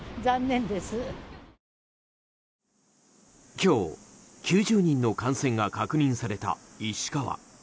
今日、９０人の感染が確認された石川。